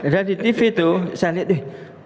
di tv tuh saya lihat nih